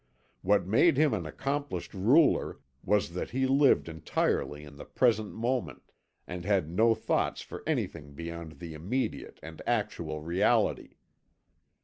What made him an accomplished ruler was that he lived entirely in the present moment, and had no thoughts for anything beyond the immediate and actual reality.